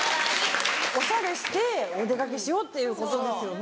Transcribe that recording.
おしゃれしてお出かけしようっていうことですよね。